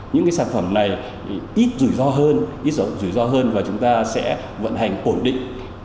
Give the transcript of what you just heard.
những sản phẩm này ít rủi ro hơn và chúng ta sẽ vận hành ổn định